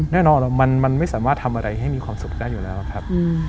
แน่นอนมันไม่สามารถทำอะไรให้มีความสุขได้อยู่แล้วครับ